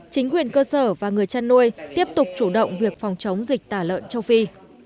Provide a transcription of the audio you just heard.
chính quyền cơ sở và người chăn nuôi tiếp tục chủ động việc phòng chống dịch tả lợn châu phi